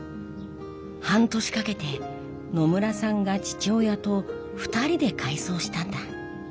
半年かけて野村さんが父親と２人で改装したんだ。